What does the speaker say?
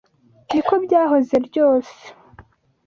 Niko byahoze ryose.